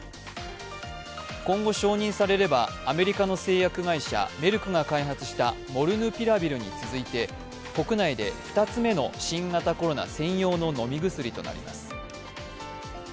今後、承認されれば、アメリカの製薬会社メルクが開発したモルヌピラビルに続いて国内で２つ目の新型コロナ専用の飲み薬となります。